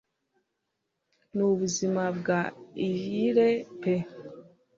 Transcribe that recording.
Nubuzima bwa lyre pe